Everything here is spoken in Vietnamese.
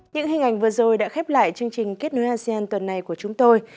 những hình ảnh vừa rồi đã khép lại chương trình kết nối asean tuần này của chúng tôi